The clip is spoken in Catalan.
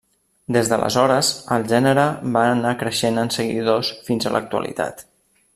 Des d'aleshores el gènere va anar creixent en seguidors fins a l'actualitat.